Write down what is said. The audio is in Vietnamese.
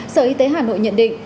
sở y tế hà nội nhận định